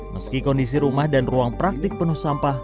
meski kondisi rumah dan ruang praktik penuh sampah